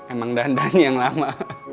emang dandan yang lama